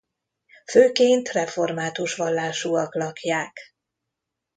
Főként református vallásúak lakják.